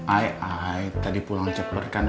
ai ai tadi pulang cepet kan